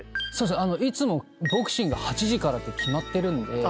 いつもボクシング８時からって決まってるので。